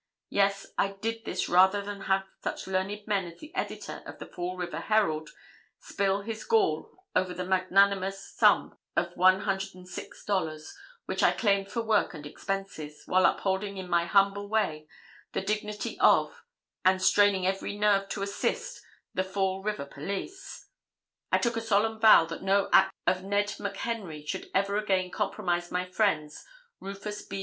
Yes, I did this rather than have such learned men as the editor of the Fall River Herald spill his gall over the magnanimous sum of $106.00, which I claimed for work and expenses, while upholding in my humble way the dignity of, and straining every nerve to assist, the Fall River police. I took a solemn vow that no act of Ned McHenry should ever again compromise my friends Rufus B.